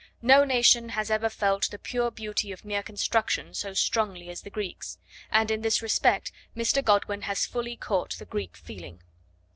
No nation has ever felt the pure beauty of mere construction so strongly as the Greeks, and in this respect Mr. Godwin has fully caught the Greek feeling.